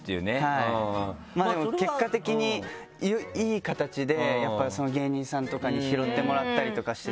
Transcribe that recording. はいまぁでも結果的にいい形で芸人さんとかに拾ってもらったりとかしてて。